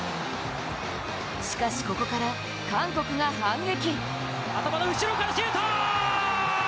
しかし、ここから韓国が反撃。